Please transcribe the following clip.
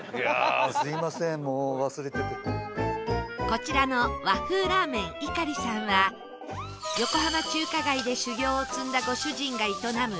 こちらの和風らぁめんいかりさんは横浜中華街で修業を積んだご主人が営む